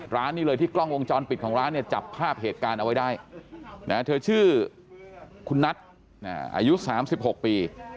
ร้านนี้เลยที่กล้องวงจรปิดของร้านเนี่ยจับภาพเหตุการณ์เอาไว้ได้เธอชื่อคุณนัทอายุ๓๖ปี